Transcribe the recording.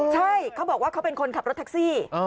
ใช่เขาบอกว่าเขาเป็นคนขับรถแท็กซี่